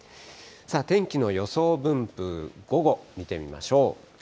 天気の予想分布、午後、見てみましょう。